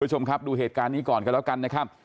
คุณผู้ชมครับดูเหตุการณ์นี้ก่อนกันแล้วกันนะครับ